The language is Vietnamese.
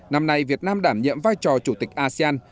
năm nay việt nam đảm nhiệm vai trò chủ tịch asean